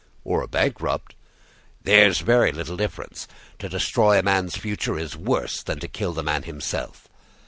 "Or a bankrupt." "There's very little difference. To destroy a man's fortune is worse than to kill the man himself."